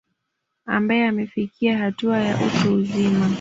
Ambae amefikia hatua ya utu uzima